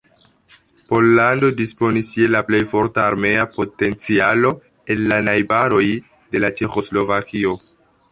Pollando disponis je la plej forta armea potencialo el la najbaroj de Ĉeĥoslovakio.